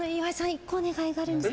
１個お願いがあるんです。